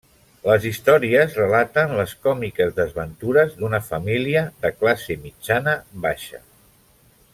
Les històries relaten les còmiques desventures d'una família de classe mitjana-baixa.